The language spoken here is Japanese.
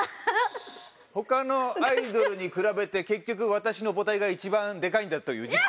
他のアイドルに比べて結局私の母体が一番でかいんだという自負。